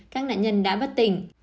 các nạn nhân đã bất tỉnh